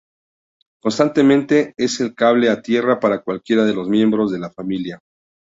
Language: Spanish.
Constantemente es el cable a tierra para cualquiera de los miembros de la familia.